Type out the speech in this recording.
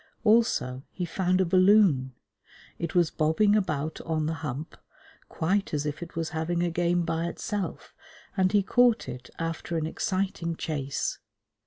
Also he found a balloon. It was bobbing about on the Hump, quite as if it was having a game by itself, and he caught it after an exciting chase.